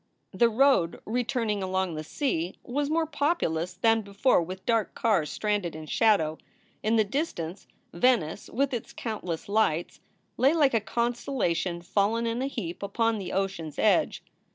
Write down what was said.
The road, returning along the sea, was more populous than before with dark cars stranded in shadow. In the dis tance Venice with its countless lights lay like a constellation fallen in a heap upon the ocean s edge.